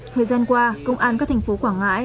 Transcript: thời gian qua công an các thành phố quảng ngãi